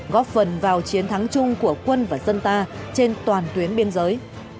góp phần vào chiến thắng chung của quân và dân ta trên toàn tuyến biên giới